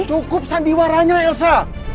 cukup sandiwaranya elsa